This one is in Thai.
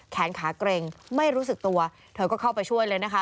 แขนขาเกร็งไม่รู้สึกตัวเธอก็เข้าไปช่วยเลยนะคะ